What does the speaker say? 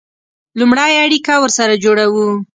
لومړی اړیکه ورسره جوړوو.